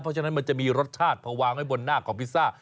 เพราะฉะนั้นมันจะมีรสชาติพอวางไว้บนหน้าของพิซซ่า